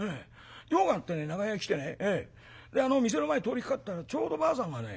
用があって長屋へ来てねであの店の前通りかかったらちょうどばあさんがね